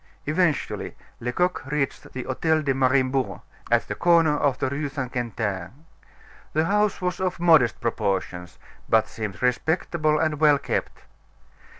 Eventually, Lecoq reached the Hotel de Mariembourg, at the corner of the Rue St. Quentin. The house was of modest proportions; but seemed respectable and well kept.